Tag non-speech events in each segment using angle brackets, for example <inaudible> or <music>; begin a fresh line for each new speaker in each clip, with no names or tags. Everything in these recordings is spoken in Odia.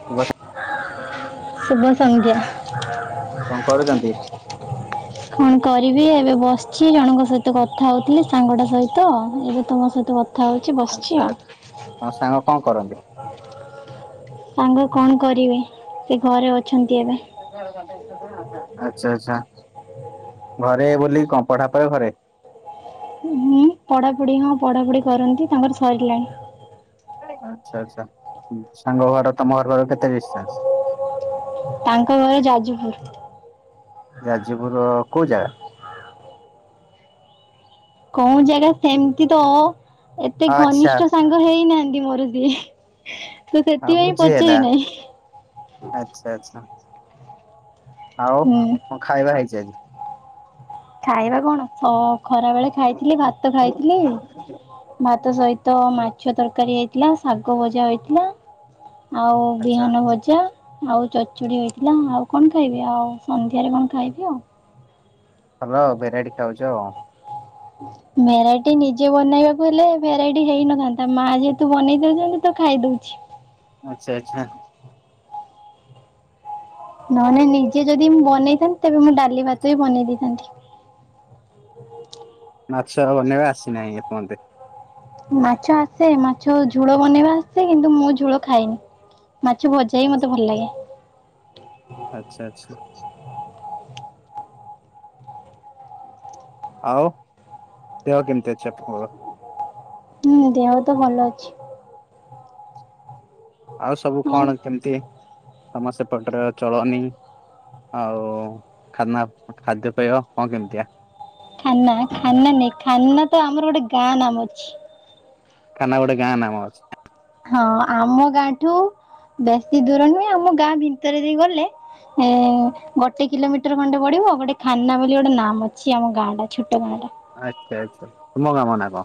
ଶୁଭ ସ
ସୁଭସନ୍ଧ୍ୟା
କଣ କରୁଛନ୍ତି?
କଣ କରିବି ଏବେ ବସିଛି ଜଣଙ୍କ ସହିତ କଥା ହଉଥିଲି ସାଙ୍ଗଟା ସହିତ ଏବେ ତମ ସହିତ କଥ କଥା ହଉଛି
ଆଚ୍ଛା
ବସିଛି ଆଉ
ଆଚ୍ଛା ତମ ସାଙ୍ଗ କଣ କରନ୍ତି?
ସାଙ୍ଗ କଣ କରିବେ ସେ ଘରେ ଅ
<inaudible> ଆଚ୍ଛା ଆଚ୍ଛା ଘରେ ବୁଲି କଣ <unintelligible> ପୟ ଘରେ।
ହୁଁ ପଢାପଢି ହଁ ପଢାପଢି କରନ୍ତି ତାଙ୍କର ସରିଲାଣି।
ଆଚ୍ଛା ଆଚ୍ଛା ସାଙ୍ଗ ଘର ତମ ଘର ଘର କେତେ ଡିଷ୍ଟାନ୍ସ?
ତାଙ୍କ ଘର ଯାଜପୁର।
ଯାଜପୁରର କୋଉ ଜାଗା?
କୋଉ ଜାଗା ସେମିତି ତ ଏତେ
ଆଚ୍ଛା
ଘନିଷ୍ଠ ସାଙ୍ଗ ହେଇନାହାନ୍ ଦି ମୋର ଯିଏ ତ
ହଁ
ସେଥିପାଇଁ
ବୁଝିହେଲା
ପଚାରି ନାହିଁ।
ଆଚ୍ଛା ଆଚ୍ଛା ଆଉ
ହୁଁ
କଣ ଖାଇବା ହେଇଛି ଆଜି?
ଖାଇବା କଣ ହ ଖରା ବେଳେ ଖାଇଥିଲି ଭାତ ଖାଇଥିଲି ଭାତ ସହିତ ମାଛ ତରକାରୀ ହେଇ ଥିଲା ଶାଗ ଭଜା ହୋଇଥିଲା ଆଉ
ଆଚ୍ଛା
ବିହନ ଭଜା। ଆଉ ଚଡ଼ଚୁଡି ହେଇଥିଲା ଆଉ କଣ ଖାଇବି ଆଉ ସନ୍ଧ୍ୟାରେ କଣ ଖାଇବି ଆଉ।
ର ଭେରାଇଟି ଖାଉଛ।
ଭେରାଇଟି ନିଜେ ବନେଇବାକୁ ହେଲେ ଭେରାଇଟି ହେଇନଥାନ୍ତା ମା ଯେହେତୁ ବନେଇ ଦଉଛନ୍ତି ତ ଖାଇ ଦଉଛି
ଆଚ୍ଛା ଆଚ୍ଛା।
ନହେଲେ ନିଜେ ଯଦି ମୁଁ ବନେଇଥାନ୍ତି ତେବେ ମୁଁ ଡାଲି ଭାତ ହିଁ ବନେଇ ଦେଇଥାନ୍ତି।
ମାଛ ବନେଇବା ଆସିନାହିଁ ଏପନ୍ତେ
ମାଛ ଆସେ ମାଛ ଝୋଳ ବନେଇବା ଆସେ କିନ୍ତୁ ମୁଁ ଝୋଳ ଖାଇନି ମାଛ ଭଜା ହିଁ
ଆଚ୍ଛା
ମତେ ଭଲ ଲାଗେ।
ଆଚ୍ଛା ଆଚ୍ଛା। ଆଉ ଦେହ କେମିତି ଅଛି ଆପଣଙ୍କର?
ହୁଁ ଦେହ ତ ଭଲ ଅଛି।
ଆଉ ସବୁ କଣ କେମିତି ତମର ସେପଟରେ ଚଳନି। ଆଉ ଖାନା ଖାଦ୍ୟପୟ କଣ କେମିତିଆ?
ଖାନା ଖାନା ନାଇ ଖାନା ତ ଆମର ଗୋଟେ ଗାଁ ନାମ ଅଛି।
ଖାନା ଗୋଟେ ଗାଁ ନାମ ଅଛି।
ହଁ ଆମ ଗାଁ ଠୁ ବେଶୀ ଦୂର ନୁହେଁ ଆମ ଗାଁ ଭିତରେ ଦେଇ ଗଲେ ଏ ଗୋଟେ କିଲୋମିଟର ଖଣ୍ଡେ ପଡିବ। <unintelligible> ଗୋଟେ ଖାନା ବୋଲି ଗୋଟେ ନାମ ଅଛି ଆମ ଗାଁଟା ଛୋଟ ଗାଁଟା
ଆଚ୍ଛା ଆଚ୍ଛା ତୁମ ଗାମ ନା କଣ?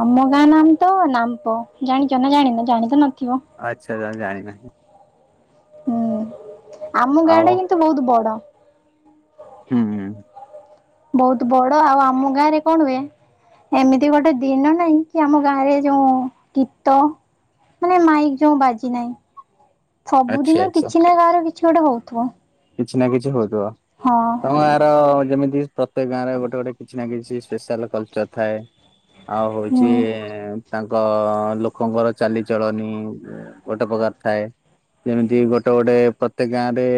ଆମ ଗାଁ ନାମ ତ ନାମ୍ପ ଜାଣିଛ ନା ଜାଣିନ ଜାଣିତ ନଥ
ଆଚ୍ଛା ଜାଣିନାହିଁ।
ହୁଁ। ଆମ ଗାଁ
ଆଉ
ଟା କିନ୍ତୁ ବହୁତ ବଡ
ହୁଁ।
ବହୁତ ବଡ ଆଉ ଆମ ଗାଁ ରେ କଣ ହୁଏ? ଏମିତି ଗୋଟେ ଦିନ ନାହିଁ କି ଆମ ଗାଁ ରେ ଯୋଉ ଗୀତ ମାନେ ମାଇ ଯେଉ ବାଜି ନାହିଁ
ଆଚ୍ଛା
ସବୁଦିନ
ଆଚ୍ଛା
କିଛି ନା କାହାର କିଛି ଗୋଟେ ହଉଥିବ
କିଛି ନା କିଛି ହଉଥିବ
ହଁ
ତମ ଗାଁର ଯେମିତି ପ୍ରତ୍ୟେକ ଗାଁ ରେ ଗୋଟେ ଗୋଟେ କିଛି ନା କିଛି ସ୍ପେସାଲ୍ କଲଚର ଥାଏ ଆଉ
ହୁଁ
ହଉଛି। ତାଙ୍କ ଲୋକଙ୍କର ଚାଲିଚଳଣି ଗୋଟେ ପ୍ରକାର ଥାଏ। ଯେମିତି ଗୋଟେ ଗୋଟେ ପ୍ରତ୍ୟେକ ଗାଁ ରେ।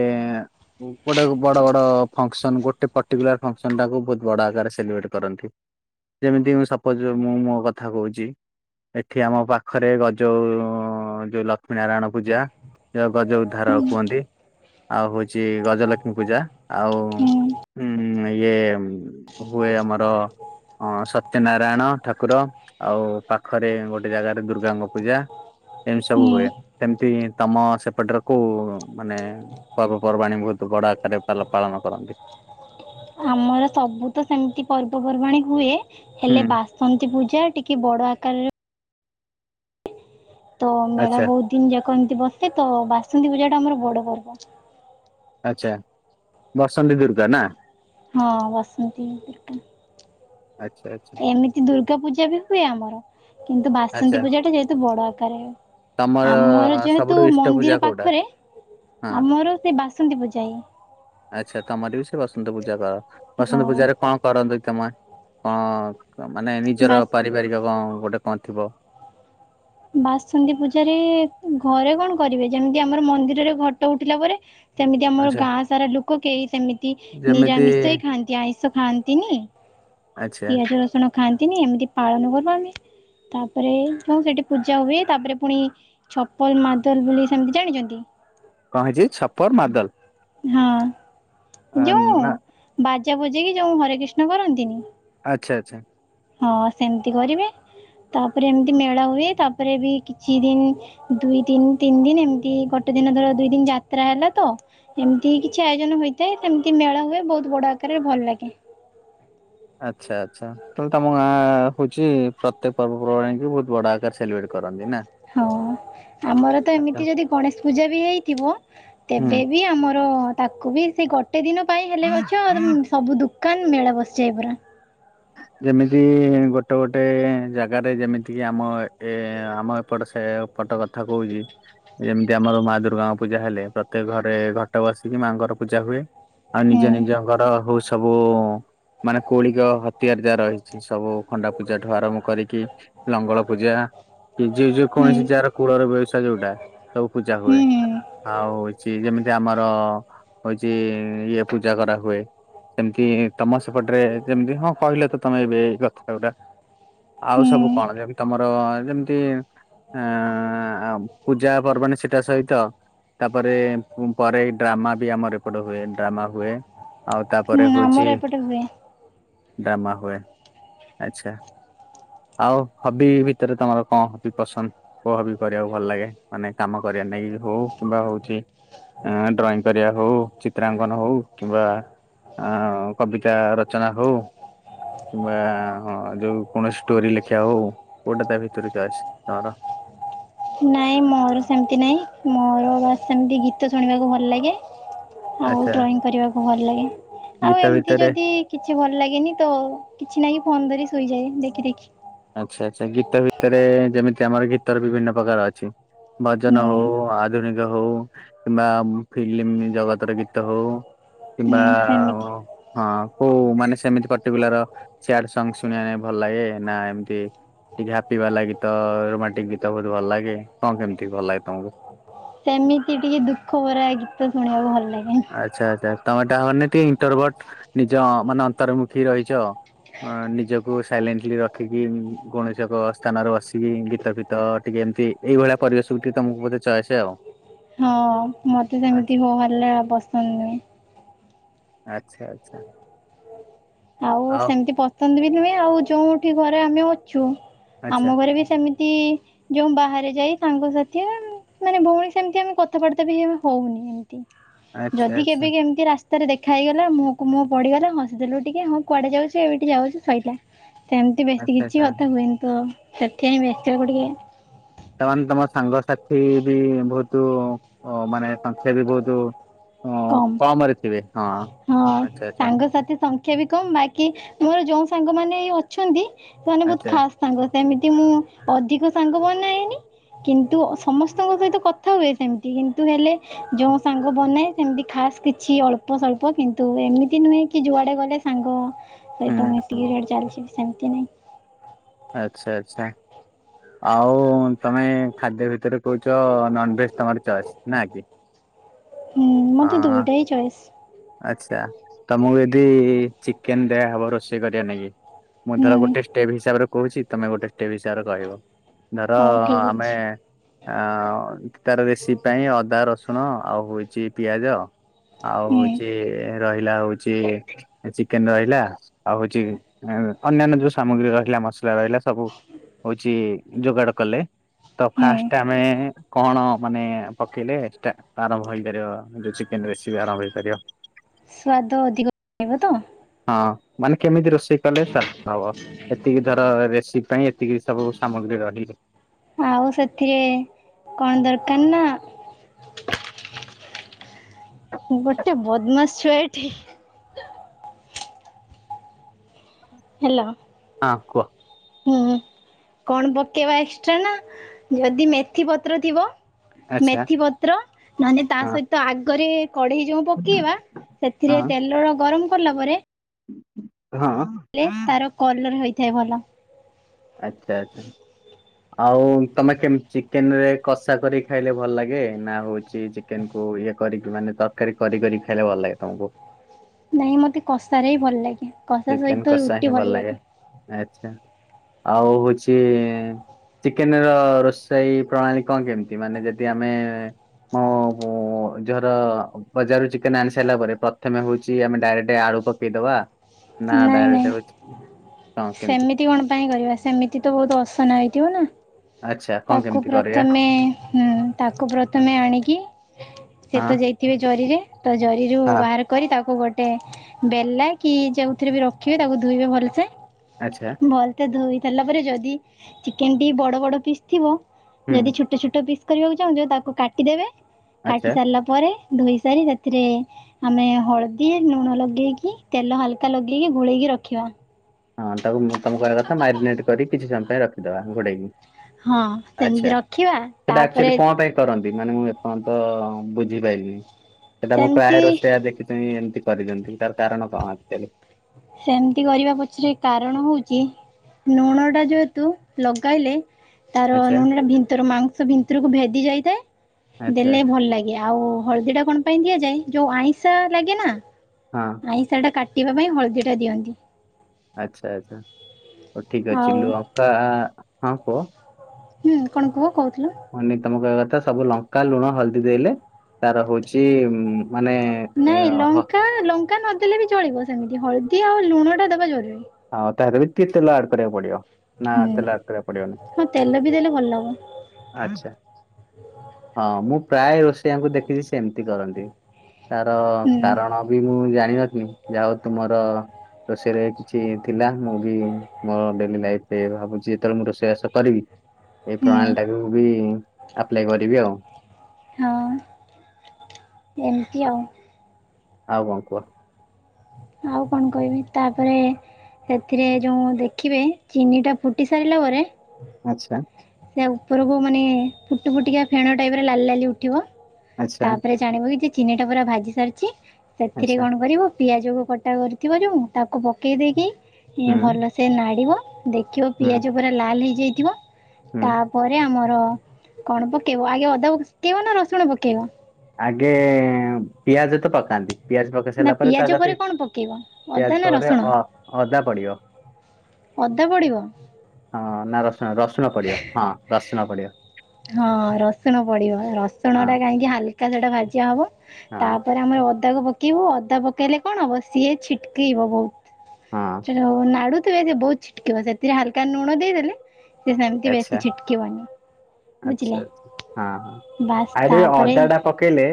ଗୋଟେ ବଡ ବଡ ଫଙ୍କସନ ଗୋଟେ ପର୍ଟିକୁଲାର ଫସନ ଟାକୁ ବହୁତ ବଡ ଆଗ ସେଲିବ୍ରେଟ କରନ୍ତି। ଯେମିତି ସପୋଜ ମୁଁ ମୋ କଥା କହୁଛି। ଏଠି ଆମ ପାଖରେ ଗଜଉ ଯୋଉ ଲକ୍ଷ୍ମୀ ନାରାୟଣ ପୂଜା ଯ। ଗଜ ଉଦ୍ଧାର କୁହନ୍ତି ଆଉ ହଉଛି ଗଜଲକ୍ଷ୍ମୀ ପୂଜା ଆଉ।
ହୁଁ
ହୁଁ ଇଏ ହୁଏ ଆମର ଅ ସତ୍ୟ ନାରାୟଣ ଠାକୁର ଆଉ ପାଖରେ ଗୋଟେ ଜାଗାରେ ଦୁର୍ଗାଙ୍କ ପୂଜା ଏମିତି ସବୁ
ହୁଁ।
ହୁଏ ସେମିତି ତମ ସେପଟରେ କ ମାନେ ପର୍ବାଣୀ ବହୁତ ଗଡ ଆକାରରେ ପାଳନ କରନ୍ତି
ଆମର ସବୁ ତ ସେମିତି ପର୍ବପର୍ବାଣୀ ହୁଏ
ହୁଁ
ହେଲେ ବାସନ୍ତୀ ପୂଜା ଟିକେ ବଡ ଆକାରରେ ତ ମେଳା
ଆଚ୍ଛା
ବହୁତ ଦିନ ଯାକ ଏମିତି ବସେ ତ ବାସନ୍ତୀ ପୂଜାଟା ଆମର ବଡ଼ ପର୍ବ
ଆଚଛା ବସନ୍ତ ଦୁର୍ଗା ନା
ହଁ ବାସନ୍ତତିତିକାର
ଆଚ୍ଛା ଆଚ୍ଛା।
ଦୁର୍ଗା ପୂଜା ବି ହୁଏ ଆମର କିନ୍ତୁ ବାସନ୍ତୀ
ଆଚ୍ଛା
ପୂଜା ଟା ଯେହେତୁ ବଡ ଆକାରରେ
ତମର
ଆମର ଯେହେତୁ
ସବୁଠୁ ଇଷ୍ଟ ପୂଜା
ମନ୍ଦିର
କୋଉଟା?
ପାଖରେ ଆମର ସେ ବାସନ୍ତୀ ପୂଜାଇ
ଆଚଛା ତମର ବି ସେ ବସନ୍ତ ପୂଜା କର
ହଁ
ବସନ୍ତ ପୂଜାାରେରେ କଣ କରନ୍ତୁ। ତମ କଣ ମାନେ ନିଜର
ବାସ
ପାରିବାରିକ କଣ ଗୋଟେ ପହଥିବ
ବାସନ୍ତୀ ପୂଜାରେ ଘରେ କଣ କରିବେ ଯେମିତି ଆମର ମନ୍ଦିରରେ ଘଟ ଉଠିଲା ପରେ ସେମିତି ଆମର
ଆଚ୍ଛା
ଗାଁ ସାରା ଲୋକ କେହି ସେମିତି
ଯେମିତି
ନିରାମିଷ ହେ ଖାଆନ୍ତି ଆଇଁଷ ଖାଆନ୍ତିନି
ଆଚ୍ଛା
ପିଆଜ ରସୁଣ ଖାଆନ୍ତିନି ଏମିତି ପାଳନ କର ଆମେ ତାପରେ କ ସେଠି। ପୂଜା ହୁଏ ତାପରେ ପୁଣି ଛପଲ ମାଦଲ ବୋଲି ସେମିତି ଜାଣିଛନ୍ତି
କଛି ଛପର ମାଦଲ ଆ,
ହଁ ଯୋଉ
ନା
ବାଜା ଭୋଜିକି ଯୋଉ ହରେ କୃଷ୍ଣ କରନ୍ତିନି।
ଆଚ୍ଛା ଆଚ୍ଛା।
ହଁ ସେମିତି କରିବେ। ତାପରେ ଏମିତି ମେଳା ହୁଏ ତାପରେ ବି କିଛି ଦିନ ଦୁଇ ତିନି ତିନି ଦିନ ଏମିତି ଗୋଟେ ଦିନ ଧର ଦୁଇ ଦିନ ଯାତ୍ରା ହେଲା ତ ଏମିତି କିଛି ଆୟୋଜନ ହୋଇଥାଏ ସେମିତି ମେଳା ହୁଏ ବହୁତ ବଡ ଆକାରରେ ଭଲ ଲାଗେ
ଆଚ୍ଛା ଆଚ୍ଛା ତାହେଲେ ତମ ଗାଁ ହଉଛି ପ୍ରତ୍ୟେକ ପର୍ବପର୍ବାଣୀ ବହୁତ ବଡ ଆକାର ସେିବ୍ରେଟ କର କରନ୍ତି ନା
ହଉଁ। ଆମର ତ
ଆଚ୍ଛା
ଏମିତି ଯଦି ଗଣେଶ ପୂଜା ବି ହେଇଥିବ
ହୁଁ।
ତେବେ ବି ଆମର। ତାକୁ ବି ସେ ଗୋଟେ ଦିନ ପାଇଁ ହେଲେ ଅଛ ସବୁ ଦୁୋକାନ ମେଳା ବସିଯ ପୁରରା। ହଁ।
ଯେମିତି ଗୋଟେ ଗୋଟେ ଜାଗାରେ ଯେମିତି କିି ଆମ ଏ ଆମ ଏପଟ ସେ। ପଟ କଥା କହୁଛି ଯେମିତି ଆମର ମା ଦୁର୍ଗାଙ୍କ ପୂଜା ହେଲେ ପ୍ରତ୍ୟେକ ଘରେ ଘଟକୁ ଆସିକି ମାଆଙ୍କର ପୂଜା ହୁଏ ଆଉ ନିଜ
ହୁଁ
ନିଜ ଘର ହଉ ସବୁ ମାନେ କୌଳିକ ତିଆରି ଯାହା ରହିଛି ସବୁ ଖଣ୍ଡା ପୂଜା ଠୁ ଆରମ୍ଭ କରିକି ଲଙ୍ଗଳ ପୂଜା କି ଯ ଯେ
ହୁଁ
କୌଣସି ଯାହାର କୂଳର ବ୍ୟବସାୟ ଯୋଉଟା ସବୁ ପୂଜା ହୁଏ
ହୁଁ
ଆଉ ହଉଛି ଯେମିତି। ଆମର ହଉଛି ଇଏ ପୂଜା କରା ହୁଏ। ସେମତି ତମ ସେପଟରେ ଯେମିତି ହଁ କହିଲ ତ ତମେ ଏବେ ଏଇ କଥା ଗୁରା। ଆଉ
ହୁଁ
ସବୁ କଣ ଯେମତି ତମର ଯେମତି ଆ ପୂଜା ପର୍ବାଣୀ ସେଟା ସହିତ ତାପରେ ପରେ ଏଇ ଡ୍ରାମା ବି ଆମର ଏପଟ ହୁଏ ଡ୍ରାମା ହୁଏ। ଆଉ ତାପରେ
ହୁଁ
ହଉଛି
ଆମର ଏପଟେ ହୁଏ
ଡ୍ରାମା ହୁଏ ଆଚ୍ଛା। ଆଉ ହବି ଭିତରେ ତମର କଣ ହବି ପସନ୍ଦ? କୋଉ ହବି କରିବାକୁ ଭଲ ଲାଗେ। ମାନେ କାମ କରିବା ନେଇକି ହଉ କିମ୍ବା ହଉଛି ଆ ଡ୍ରଇଂ କରିବା ହଉ, ଚିତ୍ରାଙ୍କନ ହଉ କିମ୍ବା ଆ କବିତା ରଚନା ହଉ କିମ୍ବା ଯୋଉ କୌଣସି ଷ୍ଟୋରି ଲେଖିବା ହଉ କୋଉଟା ତା ଭିତରୁ ଚଏସ ତମର?
ନାଇଁ ମୋର ସେମତି ନାହିଁ ମୋର ବାସ୍ ସେମତି ଗୀତ ଶୁଣିବାକୁ ଭଲ ଲାଗେ। ଆଉ
ଆଚ୍ଛା
ଡ୍ରଇଂ କରିବାକୁ ଭଲ ଲାଗେ। ଆଉ
ଗୀତ
ଏମତି
ଭିତରେ
ଯଦି କିଛି ଭଲ ଲାଗେନି ତ କିଛି ନାହିଁ ଫୋନ ଧରି ଶୋଇଯାଏ ଦେଖି ଦେଖି।
ଆଚ୍ଛା ଆଚ୍ଛା। ଗୀତ ଭିତରେ ଯେମିତି ଆମର ଗୀତରେ ବିଭିନ୍ନ ପ୍ରକାର ଅଛି। ଭଜନ
ହୁଁ
ହଉ ଆଧୁନିକ ହଉ କିମ୍ବା ଫିଲ୍ମ ଜଗତର ଗୀତ ହଉ କିମ୍ବା
ହୁଁ ସେମିତି
ହଁ। ହଉ ମାନେ ସେମିତି ପର୍ଟିକୁଲାର ସ୍ୟାଡ ସଙ୍ଗ ଶୁଣିବା ନାଗି ଭଲ ଲାଗେ ନା ଏମତି ଟିକେ ହାପି ବାଲା ଗୀତ ରୋମାଣ୍ଟିକ ଗୀତ ବହୁତ ଭଲ ଲାଗେ। କଣ କେମିତି ଭଲ ଲାଗେ ତମକୁ?
ସେମିତି ଟିକେ ଦୁଃଖ ଭରା ଗୀତ ଶୁଣିବାକୁ ଭଲ ଲାଗେ।
ଆଚ୍ଛା ଆଚ୍ଛା ତମେ ତା ମାନେ ଟିକେ ଇଣ୍ଟରଭଟ ନିଜ ମାନେ ଅନ୍ତର୍ମୁଖୀ ରହିଛ ଆଉ। ଅ ନିଜକୁ ସାଇଲେଣ୍ଟଲି ରଖିକି, କୌଣସି ଏକ ସ୍ଥାନରେ ବସିକି ଗୀତ ଫିତ ଟିକେ ଏମତି ଏଇଭଳିଆ ପରିବେଶକୁ ଟିକେ ତମକୁ ବୋଧେ ଚଏସ ଆଉ।
ହଁ ମତେ ସେମିତି
ଆଚ୍ଛା
ହୋ ହାଲା ପସନ୍ଦ ନୁହେଁ।
ଆଚ୍ଛା ଆଚ୍ଛା।
ଆଉ ସେମିତି ପସନ୍ଦ ବି ନୁହେଁ ଆଉ ଯୋଉଁଠି ଘରେ ଆମେ ଅଛୁ, ଆମ
ଆଚ୍ଛା।
ଘରେ ବି ସେମି ତି ଯୋଉଁ ବାହାରେ ଯାଇ ସାଙ୍ଗସାଥି ଆଉ ମାନେ ଭଉଣୀ ସେମତି ଆମେ କଥାବାର୍ତ୍ତା ବି ଆମେ ହଉନି ଏମ ତି।
ଆଚ୍ଛା
ଯଦି
ଆଚ୍ଛା
କେବେ କେମତି ରାସ୍ତାରେ ଦେଖା ହେଇଗଲା ମୁହଁକୁ ମୁହଁ ପଡିଗଲା ହସିଦେଲୁ ଟିକେ ହଁ କୁଆଡେ ଯାଉଛି ଏବେଠି ଯାଉଛି ସଇଲା। ସେମିତି ବେଶୀ
ଆଚ୍ଛା
କିଛି
ଆଚ୍ଛା
କଥା ହୁଏନି ତ ସେଥିପାଇଁ ମିଶିଆକୁ ଟିକେ
ସେମାନେ ତମ ସାଙ୍ଗସାଥି ବି ବହୁତ ଅ ମାନେ ସଂଖ୍ୟା ବି ବହୁତ ଅ
କମ୍।
କମରେ ଥିବେ ହଁ।
ହଁ
ଆଚ୍ଛା ଆଚ୍ଛା
ସାଙ୍ଗସଥି ସଂ ଖ୍ୟା ବି କମ। ବାକି ମୋର ଯୋଉଁ ସାଙ୍ଗମାନେ ଅଛନ୍ତି ସେମାନେ ବହୁତ
ଆଚ୍ଛା
ଖାସ୍ ସାଙ୍ଗ। ସେମିତି ମୁଁ ଅଧିକ ସାଙ୍ଗ ବନାଏନି କିନ୍ତୁ ସମସ୍ତଙ୍କ ସହିତ କଥା ହୁଏ ସେମ ତି କିନ୍ତୁ ହେଲେ ଯୋଉଁ ସାଙ୍ଗ ବନାଏ ସେମିତି ଖାସ୍ କିଛି ଅଳ୍ପ ସ୍ଵଳ୍ପ କିନ୍ତୁ ଏମିତି ନୁହେଁ କି ଯୁଆଡେ ଗଲେ ସାଙ୍ଗ
ହୁଁ
ସହିତ
ହୁଁ
ମିଶିକି ଚାଲିଛି ସେମିତି ନାହିଁ।
ଆଚ୍ଛା ଆଚ୍ଛା ଆଉ ତମେ ଖାଦ୍ୟ ଭିତରେ କହୁଛ ନନ୍ ଭେଜ ତମର ଚଏସ୍ ନା କି?
ହୁଁ
ହଁ
ମତେ ଦୁଇଟା ହିଁ ଚଏସ୍।
ଆଚ୍ଛା ତମକୁ ଯଦି ଚିକେନ ଦିଆହବ ରୋଷେଇ କରିବା ନାଗି ମୁଁ ଧର
ହୁଁ
ଗୋଟେ ଷ୍ଟେପ୍ ହିସାବରେ କହୁଛି ତମେ ଗୋଟେ ଷ୍ଟେପ୍ ହିସାବରେ କହିବ। ଧର
ହଉ ଠିକ୍
ଆମେ
ଅଛି।
ଆ ତାର ରେସିପି ପାଇଁ ଅଦା ରସୁଣ ଆଉ ହଉଛି ପିଆଜ ଆଉ
ହୁଁ
ହଉଚି ରହି ଲା ହଉଛି ଚିକେନ ରହିଲା। ଆଉ ହଉଛି ଅନ୍ୟାନ୍ୟ ଯୋଉ ସାମଗ୍ରୀ ରହିଲା ମସ ଲା ରହିଲା ସବୁ ହଉଛି ଯୋଗାଡ କଲେ। ତ
ହୁଁ
ଫାଷ୍ଟ ଆମେ କଣ ମାନେ ପକେଇଲେ ସେଇଟା ଆରମ୍ଭ ହେଇପାରିବ ଯୋଉ ଚିକେନ ରେସିିପି ଆରମ୍ଭ ହେଇପାରିବ।
ସ୍ଵାଦ ଅଧିକ ରହିବ ତ?
ମନେ କେମିତି ରୋଶ ସେଇ, କଲେ ସ୍ଵାଦ ହବ। ଏତିକି ଧର ରେସିପି ପାଇଁ, ଏତିକି ସବୁ ସାମଗ୍ରୀ ରହିଲେ
ଆଉ' ସେଥିରେ କଣ ଦରକାର ନା ଗୋଟେ ବଦମାସ, ଛୁଆ ଏଠି। ହେଲୋ।
ହଁ କୁହ,
ହୁଁ କଣ, ପକେଇବା ଏକ୍ସଟ୍ରା ନା? ଯଦି ମେଥି ପତ୍ର ଥିବ?
ଆଚ୍ଛା
ମେଥି ପତ୍ର, ନହେଲେ ତା
ହଁ
ସହିତ ଆଗରେ କଢେଇ ଯୋଉ ପକେଇବା, ସେଥିରେ
ହଁ
ତେଲ ଗରମ କଲା ପରେ
ହଁ।
ହେଲେ, ତାର କଲର ହୋଇଥାଏ ଭଲ।
ଆଚ୍ଛା, ଆଛା? ଆଉ' ତମେ କେମତି ଚିକେନ ରେ କଷା କରି ଖାଇଲେ ଭଲ ଲାଗେ? ନା ହଉଛି ଚି, ଚିକେନ କୁ ଇଏ କରିକି, ମାନେ ତରକାରୀ କରି, କରି ଖାଇଲେ ଭଲ ଲାଗେ ତମକୁ?
ନାଇଁ ମତେ କଷାରେ ଭଲ ଲାଗେ। କଷା
ଚିକେନ୍
ସହିତ
କଷା
ରୁଟି
ହିଁ ଭଲ ଲାଗେ, ଆଛା ଆଉ ହଉଛି ଚିକେନ ର ରୋଷେଇ ପ୍ରଣାଳୀ କଣ, କେମିତି? ମାନେ ଯଦି ଆମେ ହଁ ମୁଁ ଜର ବଜାରରୁ ଚିକେନ ଆଣି ସାରିଲା ପରେ, ପ୍ରଥମେ ହଉଛି ଆମେ ଡ଼ାଇରେଟ ଆଳୁ ପକେଇଦବା। ନା
ନାଇଁ
ଡାଇରେଟ୍
ନାଇଁ
ହେଉଛି
ସେମିତି କଣ, ପାଇଁ କରିବା? ସେମିତି ତ ବହୁତ ଅସନା ହେଇଥିବ ନା?
ଆଚ୍ଛା କଣ
ତାକୁ
କେମିତି କରିବା
ପ୍ରଥମେ, ହୁଁ ତାକୁ
ହଁ
ପ୍ରଥମେ ଆଣିକି ସେ
ହଁ
ତ ଯେଇଥିବେ ଜରିରେ। ତ ଜରିରୁ ବାହାର କରି ତାକୁ ଗୋଟେ ଗଟେ ବେଲା କି ଯୋଉଥିରେ ବି ରଖିବେ ତାକୁ ଧୋଇବେ ଭଲସେ।
ଆଚ୍ଛା
ଭଲତେ ଧୋଇ ଦେଲା ପରେ ଯଦି, ଚିକେନ ଟି ବଡ ବଡ ପିସ୍ ଥିବ
ହୁଁ
ଯଦି ଛୋଟ, ଛୋଟ ପିସ୍ କରିବାକୁ ଚାହୁଁଛ, ତାକୁ କାଟି ଦେବେ
ଆଚ୍ଛା
କାଟି ସାରିଲା ପରେ ଧୋଇ ସାରି ସେଥିରେ ଆମେ ହଳଦୀ, ଲୁଣ ଲଗେଇକି ତେଲ ହାଲକା କା, ଲଗେଇକି ଗୋଳେଇକି ରଖିବା।
ହଁ ତାକୁ, ମୁଁ ତମେ କହିବା କଥା, ମାରିନେଟ କରି କିଛି ସମୟ ପାଇଁ ରଖିଦବା ଘୋଡେଇକି।
ହଁ ସେମିତି
ଆଚ୍ଛା
ରଖିବା
ସେଟା
ତାପରେ
ଅକ୍ଚୋଲି କଣ, ପାଇଁ କରନ୍ତି? ଦିନ ମାନେ ମୁଁ ଏପନ୍ତ ବୁଝିପାଇନି। ସେଟା ମୁଁ
ସେମିତି
ପ୍ରାୟ ରୋସେୟା ଦେଖିଚି ଏମି ମିତି, କରିଦିଅନ୍ତି। ତା କାରଣ କଣ ଅକ୍ଚୋଲି?
ସେମିତି କରିବା ପଛରେ କାରଣ ହଉଚି ଲୁଣ ଟା ଯେହେତୁ, ଲଗାଇଲେ ତାର
ଆଚ୍ଛା
ନୁ, ନ ଭିତର ମାଂସ ଭିତରକୁ ଭେଦି ଯାଇଥାଏ।
ଆଚ୍ଛା
ଦେଲେ ଭଲ ଲାଗେ। ଆଉ ହଳଦୀ ଟା କଣ, ପାଇଁ ଦିଆ ଯାଏ? ଯୋଉ ଆଇଁଷା ଲାଗେ ନା?
ହଁ
ଆଇଁଷା ଟା କାଟିବା ପାଇଁ, ହଳଦୀ ଟା ଦିଅନ୍ତି।
ଆଛା, ଆଛା। ହୋଉ ଠିକ ଅଛି।
ଆଉ
ଲଙ୍କା, ହଁ କୁହ।
ହୁଁ କଣ କୁହ, କହୁ
ମନେ ତମେ କହିବା କଥା ସବୁ ଲଙ୍କା, ଲୁଣ, ହଳଦୀ ଦେଇଲେ ତାର ହଉଛି ଉ
ନାଇଁ ଲଙ୍କା ଲଙ୍କା ନଦେଲେ ବି ଚଳିବ ସେମିତି ହଳଦୀ ଆଉ ଲୁଣଟା ଦବା ଜରୁରୀ।
ଆଉ ତାହେଲେ ବି ତେଲ ଆଡ କରିବାକୁ ପଡିବ। ନା
ହୁଁ
ତେଲ ଆଡ୍ କରିବାକୁ ପଡିବନି,
ହଁ ତେଲ ବି ଦେଲେ ଭଲ ହବ
ଆଛା। ହଁ ମୁଁ ପ୍ରାୟ ରୋଷେଇଆଙ୍କୁ ଦେଖିଛି ସେମିତି କରନ୍ତି। ତାର
ହୁଁ
କାରଣ ବି ମୁଁ ଜାଣିିନଥିଲି ଯାହା ହଉ ତୁମର ରୋଷେଇରେ କିଛି ଥିଲା। ମୁଁ ବି ମୋ ଡେଲିଲାଇଫି ରେ ଭାବୁଛି, ଯେତେବେଳେ ମୁଁ ରୋଷେଇବାସ କରିବି ଏଇ
ହୁଁ
ପ୍ରଣାଳୀ ଟାକୁ ବି, ଆପ୍ଲାଏ କରିବି ଆଉ'।
ହଁ, ଏମିତି ଆଉ।
ଆଉ କଣ, କୁହ।
ଆଉ' କଣ କହିବି, ତାପରେ? ସେଥିରେ ଯୋଉଁ ଦେଖିବେ ଚିନିଟା ଫୁଟି ସାରିଲା ପରେ
ଆଚ୍ଛା।
ସେ ଉପରକୁ ମାନେ ଫୁଟିଫୁଟିକି ଫେଣ ଟାଇପ୍ ଲାଲ୍ ଲାଲି ଉଠିବ।
ଆଚ୍ଛା
ତାପରେ ଜାଣିବ ଯେ ଚିନି ଟା ପୁରା ଭାଜି ସାରିଛି ସେଥିରେ
ଆଚ୍ଛା
କଣ କରିବ ପିଆଜକୁ କଟା କରିଥିବରୁ ତାକୁ ପକେଇ ଦେଇକି
ହୁଁ
ଭଲସେ ନାଡ଼ିବ। ଦେଖିବ
ହୁଁ
ପିଆଜ ପୁରା ଲାଲ୍ ହେଇଯାଇଥିବ
ହୁଁ
ତାପରେ ଆମର ହଁ କଣ ପକେଇବ ଆଗେ ଅଦା ପକେଇବ ନା ରସୁଣ ପକେଇବ?
ଆଗେ ପିଆଜ ତ ପକାନ୍ତି। ପିଆଜ ପକେଇ
ନା
ସାରିଲା ପରେ ତା
ପିଆଜ
ସାଥି
କଣ ପକେଇବ ଅଦା
ପିଆଜ
ନା
ପରେ
ରସୁଣ
ଅଦା ପଡ଼ିବ।
ଅଦା ପଡ଼ିବ
ନା ହଁ ରସୁଣ ରସୁଣ ପଡ଼ିବ ହଁ ରସୁଣ ପଡ଼ିବ।
ହଁ ରସୁଣ ପଡିବ ରସୁଣ
ହଁ
ଟା କାହିଁକି ହାଲି ସେଟା ଭାଜିଆ ହବ
ହଁ
ତାପରେ ଆମେ ଅଦାକୁ ପକ କେଉଁ ଅଦା ପକେଇଲେ କଣ ହବ ସିଏ ଛିଟ୍କେଇବ
ହଁ
ବହୁତ ନାଡୁ ସେ ବହୁତ ଛିଟ୍କିବ ସେଥିରେ ହାଲକା ଲୁଣ ଦେଇଦେଲେ ସେ ସେମିତି ବେଶୀ ଛିଟ୍କିବନି।
ଆଛା ଆଛା ହଁ ହଁ।
ବାସ୍
ଆରେ
ତାପରେ
ଅଦା ଟା ପକେଇଲେ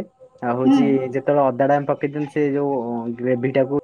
ଆଉ ହଉଛି
ହୁଁ
ଯେତେବେଳେ ଅଦା ଟା ଆମେ ପକେ କେଦିନ ସେ ଯୋଉ ଗ୍ରେଭି ଟାକୁ